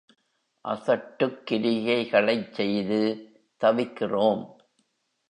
அசட்டுக் கிரியைகளைச் செய்து தவிக்கிறோம்.